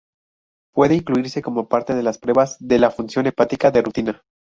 Puede incluirse como parte de las pruebas de la función hepática de rutina.